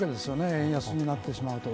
円安になってしまうと。